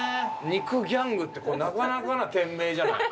肉ギャングってこれなかなかな店名じゃない？